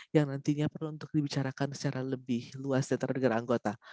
yang nantinya perlu untuk dibicarakan secara lebih luas daripada negara anggota